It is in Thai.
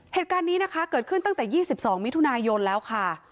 เหตุการณ์นี้นะคะเกิดขึ้นตั้งแต่๒๒มิถุนายนแล้วค่ะ